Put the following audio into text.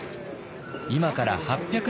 今から８００年